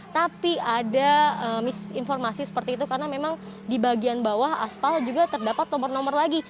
tapi ada misinformasi seperti itu karena memang di bagian bawah aspal juga terdapat nomor nomor lagi